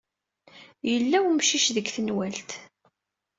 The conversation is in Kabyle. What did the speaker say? Yella wemcic deg tenwalt.